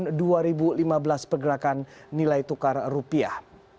tahun dua ribu lima belas pergerakan nilai tukar rupiah